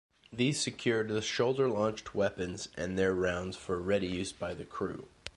These secured the shoulder-launched weapons and their rounds for ready use by the crew.